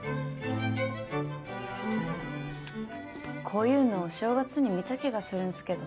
こういうのお正月に見た気がするんすけど。